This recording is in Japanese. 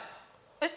えっ？